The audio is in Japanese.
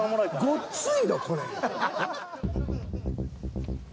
ごっついぞこれ。